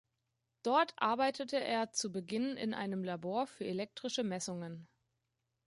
Dort arbeitete er zu Beginn in einem Labor für elektrische Messungen.